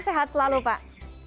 sehat selalu pak